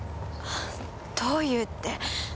どういうって。